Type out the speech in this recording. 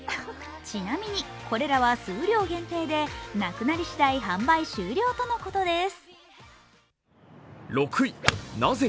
ちなみに、これらは数量限定でなくなり次第販売終了とのことです。